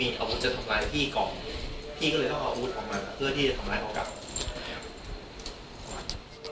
พี่ก็เลยต้องเอาอาวุธออกมาเพื่อที่จะทำร้ายพี่ก่อน